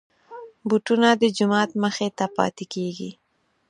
بوټونه د جومات مخې ته پاتې کېږي.